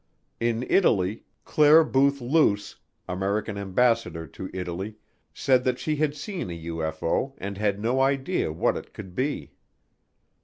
In Italy, Clare Boothe Luce, American Ambassador to Italy, said that she had seen a UFO and had no idea what it could be.